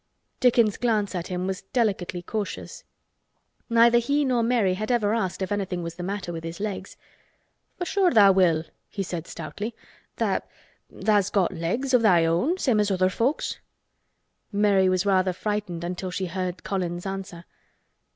Dickon's glance at him was delicately cautious. Neither he nor Mary had ever asked if anything was the matter with his legs. "For sure tha' will," he said stoutly. "Tha—tha's got legs o' thine own, same as other folks!" Mary was rather frightened until she heard Colin's answer.